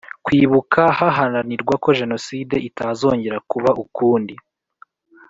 Kwibuka haharanirwa ko Jenoside itazongera kuba ukundi